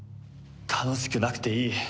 楽しくなくていい。